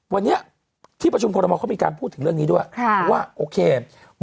วันเนี่ยที่ประชุมธนมันก็มีการพูดเรื่องนี้ด้วยว่าโอเค